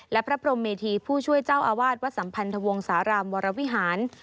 และพระพรมเมธีผู้ช่วยเจ้าอาวาสวัดสัมพันธวงศาลามวรวิหาร